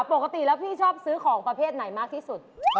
ปกติแล้วพี่ชอบซื้อของประเภทไหนมากที่สุด